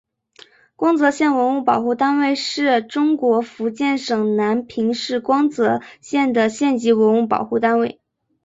光泽县文物保护单位是中国福建省南平市光泽县的县级文物保护单位。